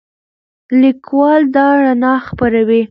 لیکوال دا رڼا خپروي.